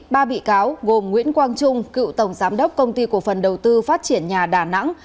ba bị cáo gồm nguyễn quang trung cựu tổng giám đốc công ty cổ phần đầu tư phát triển nhà đà nẵng